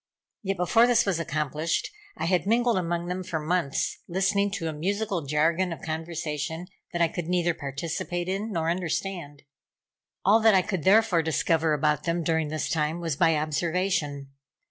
Yet, before this was accomplished, I had mingled among them for months, listening to a musical jargon of conversation, that I could neither participate in, nor understand. All that I could therefore discover about them during this time, was by observation.